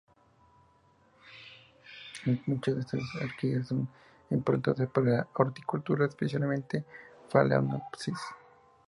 Muchas de estas orquídeas son importantes para la horticultura, especialmente "Phalaenopsis".